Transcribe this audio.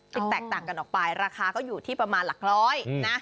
แตกต่างกันออกไปราคาก็อยู่ที่ประมาณหลักร้อยนะ